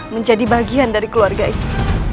menjadi bagian dari keluarga ini